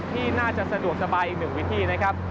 ที่น่าจะสะดวกสบายอีกหนึ่งวิธีนะครับ